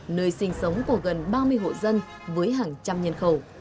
nơi sinh sống của gần ba mươi hộ dân với hàng trăm nhân khẩu